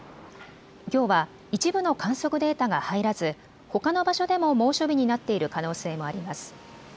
きょうは一部の観測データが入らずほかの場所でも猛暑日になっている可能性もあります。